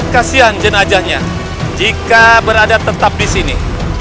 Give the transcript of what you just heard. kasihan jenajahnya jika berada tetap disini